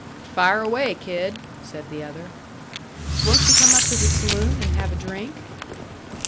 "Fire away, kid," said the other. "Won't you come up to the saloon and have a drink?"